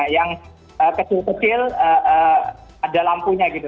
yang kecil kecil ada lampunya gitu